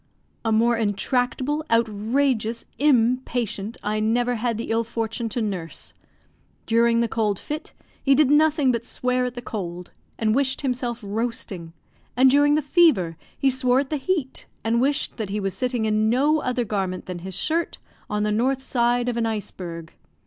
A more intractable, outrageous, Im patient I never had the ill fortune to nurse. During the cold fit, he did nothing but swear at the cold, and wished himself roasting; and during the fever, he swore at the heat, and wished that he was sitting, in no other garment than his shirt, on the north side of an iceberg.